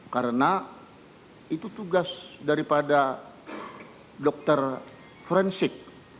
karena itu tugas daripada dokter forensik